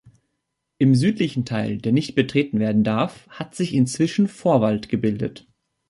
Im südlichen Teil, der nicht betreten werden darf, hat sich inzwischen Vorwald gebildet.